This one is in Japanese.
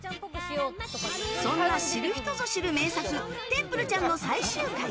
そんな知る人ぞ知る名作「テンプルちゃん」の最終回。